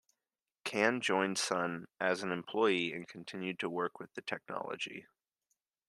Kan joined Sun as an employee, and continued to work with the technology.